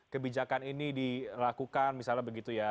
kebijakan ini dilakukan misalnya begitu ya